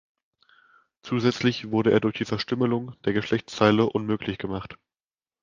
Zusätzlich wurde er durch die Verstümmelung der Geschlechtsteile unmöglich gemacht.